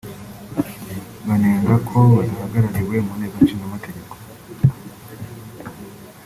banenga ko badahagarariwe mu Nteko Ishingamategeko